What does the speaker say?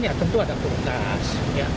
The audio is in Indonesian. ya tentu ada kulkas